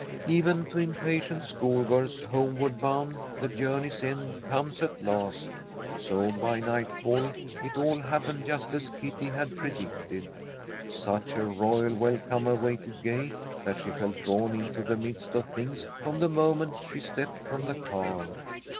Even to impatient schoolgirls homeward bound, the journey's end comes at last, so by nightfall it all happened just as Kitty had predicted. Such a royal welcome awaited Gay that she felt drawn into the midst of things from the moment she stepped from the car.